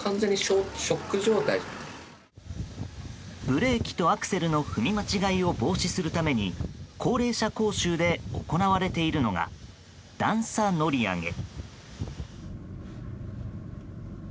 ブレーキとアクセルの踏み間違いを防止するために高齢者講習で行われているのが段差乗り上げ。